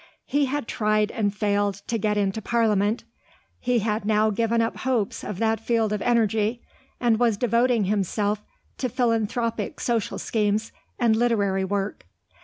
He had tried and failed to get into Parliament; he had now given up hopes of that field of energy, and was devoting himself to philanthropic social schemes and literary work.